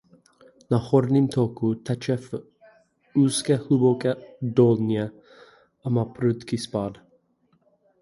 Na horním toku teče v úzké hluboké dolině a má prudký spád.